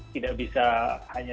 tidak bisa hanya